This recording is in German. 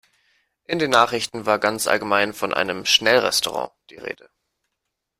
In den Nachrichten war ganz allgemein von einem Schnellrestaurant die Rede.